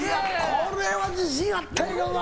これは自信あったんやけどな。